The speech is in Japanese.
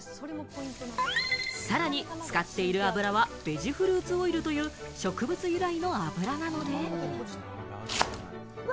さらに使っている油はベジフルーツオイルという植物由来の油なので。